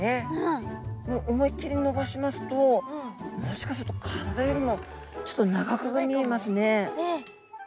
思いっきり伸ばしますともしかすると体よりもちょっと長く見えますね。